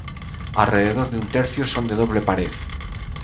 Alrededor de un tercio son de doble pared.